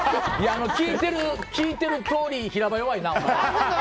聞いてるとおり平場、弱いな。